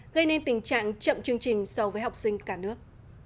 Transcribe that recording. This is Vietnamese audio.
gây nên tình trạng chậm chương trình so với học sinh cả nước